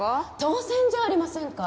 当然じゃありませんか。